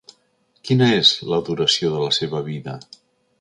Quina és la duració de la seva vida?